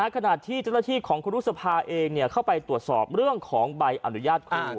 ขณะที่เจ้าหน้าที่ของคุณรุษภาเองเข้าไปตรวจสอบเรื่องของใบอนุญาตอ้าง